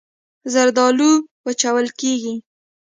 زردالو وچول کېږي.